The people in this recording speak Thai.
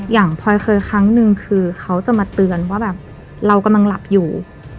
พลอยเคยครั้งหนึ่งคือเขาจะมาเตือนว่าแบบเรากำลังหลับอยู่